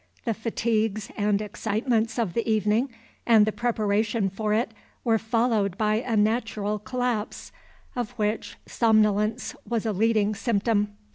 The fatigues and excitements of the evening and the preparation for it were followed by a natural collapse, of which somnolence was a leading symptom.